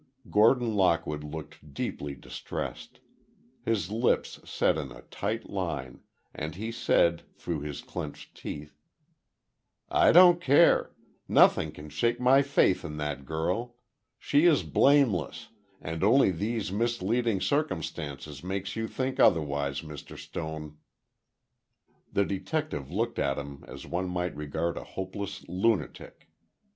Gordon Lockwood looked deeply distressed. His lips set in a tight line, and he said, through his clenched teeth: "I don't care! Nothing can shake my faith in that girl! She is blameless, and only these misleading circumstances make you think otherwise, Mr. Stone." The detective looked at him as one might regard a hopeless lunatic.